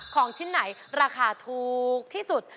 ของชิ้นไหนราคาถูกที่สุด